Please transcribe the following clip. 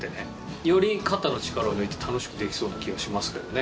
より肩の力を抜いて楽しくできそうな気がしますけどね。